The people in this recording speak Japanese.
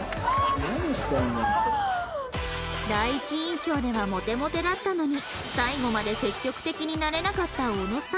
第一印象ではモテモテだったのに最後まで積極的になれなかった小野さん